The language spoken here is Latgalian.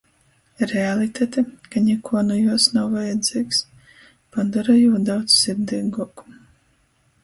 Realitate, ka nikuo nu juos nav vajadzeigs, padora jū daudz sirdeiguoku.